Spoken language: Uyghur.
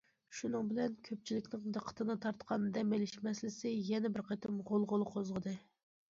شۇنىڭ بىلەن كۆپچىلىكنىڭ دىققىتىنى تارتقان دەم ئېلىش مەسىلىسى يەنە بىر قېتىم غۇلغۇلا قوزغىدى.